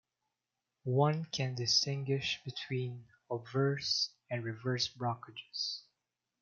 One can distinguish between obverse and reverse brockages.